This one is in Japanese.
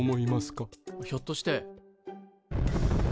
ひょっとして。